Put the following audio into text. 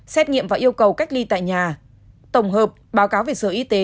xét nghiệm và yêu cầu cách ly tại nhà tổng hợp báo cáo về sở y tế